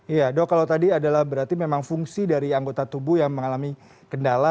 iya dok kalau tadi adalah berarti memang fungsi dari anggota tubuh yang mengalami kendala